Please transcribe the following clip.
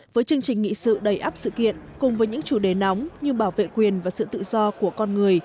với chương trình nghị sự đầy áp sự kiện cùng với những chủ đề nóng như bảo vệ quyền và sự tự do của con người